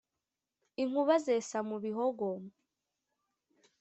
inkuba zesa mu bihogo,